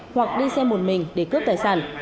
hoặc đi xe một mình để cướp tài sản